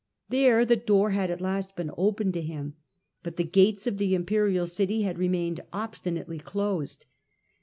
There the door had at last been opened to him, but the gates of the imperial city had remained obstinately closed.